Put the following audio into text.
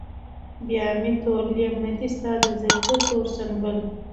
بيا مې تور لېمه دي ستا د زلفو تور سنبل